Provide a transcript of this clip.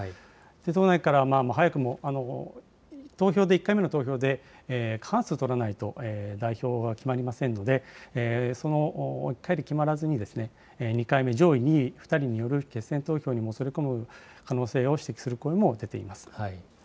党内から早くも投票で、１回目の投票で過半数を取らないと、代表は決まりませんので、その１回で決まらずに、２回目、上位２位２人による決戦投票にもつれ込む可能性を指摘する声も出ています。